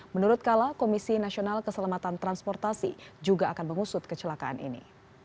menurut kala komisi nasional keselamatan transportasi juga akan mengusut kecelakaan ini